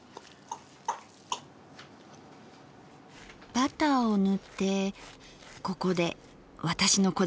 バターを塗ってここで私のこだわりが一つ。